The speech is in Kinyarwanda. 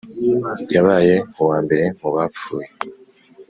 yabaye uwambere mu bapfuye